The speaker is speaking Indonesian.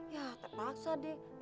yah tak paksa deh